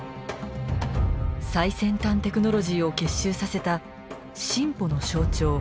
最先端テクノロジーを結集させた進歩の象徴大屋根。